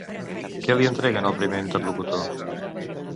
Què li entreguen al primer interlocutor?